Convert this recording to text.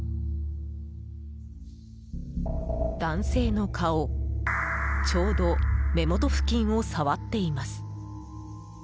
男性の顔、ちょうど目元付近を触っています。